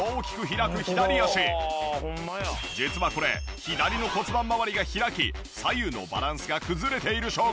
外に実はこれ左の骨盤まわりが開き左右のバランスが崩れている証拠。